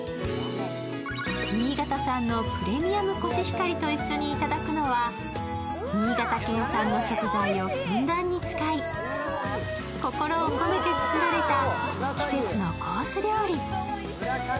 新潟産のプレミアムコシヒカリと一緒に頂くのは新潟県産の食材をふんだんに使い、心を込めて作られた季節のコース料理。